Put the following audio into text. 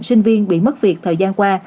sinh viên bị mất việc thời gian qua